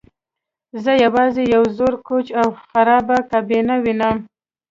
زه یوازې یو زوړ کوچ او خرابه کابینه وینم